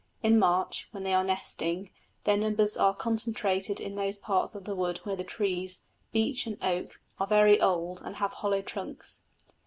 In March, when they are nesting, their numbers are concentrated in those parts of the wood where the trees, beech and oak, are very old and have hollow trunks.